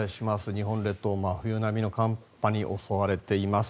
日本列島、真冬並みの寒波に襲われています。